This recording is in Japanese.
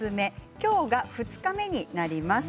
今日が２日目になります。